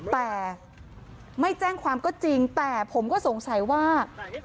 แต่ไม่แจ้งความก็จริงแต่ผมก็สงสัยว่า